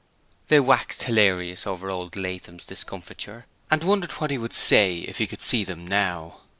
They waxed hilarious over Old Latham's discomfiture and wondered what he would say if he could see them now.